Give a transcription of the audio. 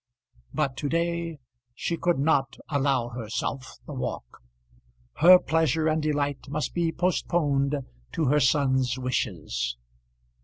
But to day she could not allow herself the walk. Her pleasure and delight must be postponed to her son's wishes!